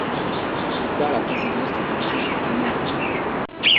Il perd la présidence du parti un an après.